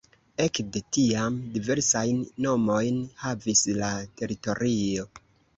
Ekde tiam diversajn nomojn havis la teritorio.